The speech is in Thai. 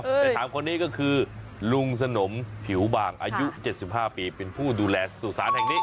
แต่ถามคนนี้ก็คือลุงสนมผิวบางอายุ๗๕ปีเป็นผู้ดูแลสุสานแห่งนี้